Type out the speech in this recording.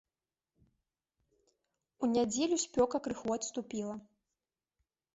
У нядзелю спёка крыху адступіла.